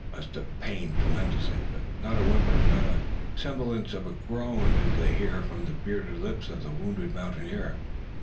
It must have pained tremendously, but not a whimper, not a semblance of a groan did they hear from the bearded lips of the wounded mountaineer.